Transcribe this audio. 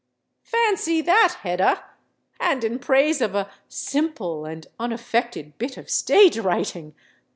Fancy that, Hedda!—and in praise of a "simple and unaffected bit of stage writing"!